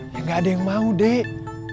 ya gak ada yang mau dek